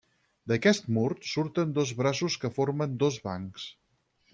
D'aquest mur surten dos braços que formen dos bancs.